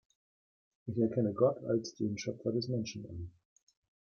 Ich erkenne Gott als den Schöpfer des Menschen an.